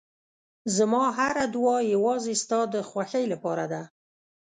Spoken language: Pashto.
زما هره دعا یوازې ستا د خوښۍ لپاره ده.